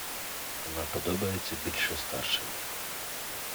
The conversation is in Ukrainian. Вона подобається більше старшим.